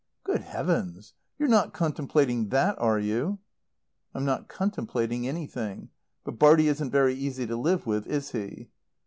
"Good Heavens, you're not contemplating that, are you?" "I'm not contemplating anything. But Bartie isn't very easy to live with, is he?"